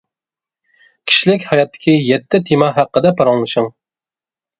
كىشىلىك ھاياتتىكى يەتتە تېما ھەققىدە پاراڭلىشىڭ.